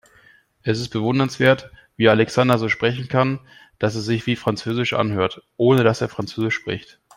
Es ist bewundernswert, wie Alexander so sprechen kann, dass es sich wie französisch anhört, ohne dass er französisch spricht.